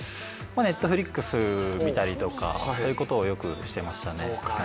Ｎｅｔｆｌｉｘ見たりとか、そういうことをよくしていますね。